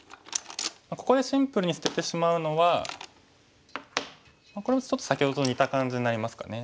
ここでシンプルに捨ててしまうのはこれもちょっと先ほどと似た感じになりますかね。